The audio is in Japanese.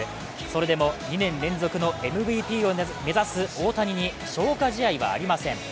それでも２年連続のＭＶＰを目指す大谷に消化試合はありません。